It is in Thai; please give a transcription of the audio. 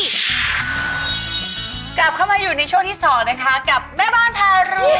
กลับเข้ามาอยู่ในช่วงที่๒นะคะกับแม่บ้านพารุ